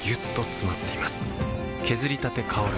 削りたて香る